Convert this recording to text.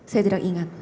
saya tidak ingat